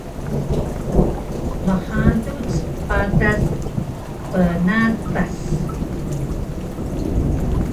Mhaduc patas pnatas